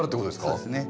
そうですね。